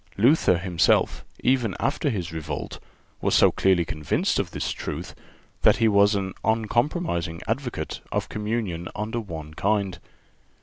(380) Luther himself, even after his revolt, was so clearly convinced of this truth that he was an uncompromising advocate of communion under one kind.